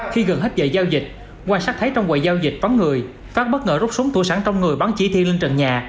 khi gần hết giờ giao dịch quan sát thấy trong quầy giao dịch vắng người pháp bất ngờ rút súng thủ sẵn trong người bắn chỉ thiên lên trận nhà